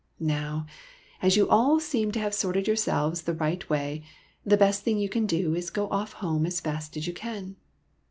Now, as you all seem to have sorted yourselves the right way, the best thing you can do is to go off home as fast as you can."